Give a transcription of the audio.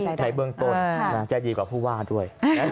ในเบื้องต้นจะดีกว่าผู้ว่าด้วย